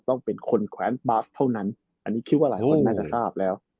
ต้องเป็นคนแขวนบาร์สต้องเป้ามีความชอบ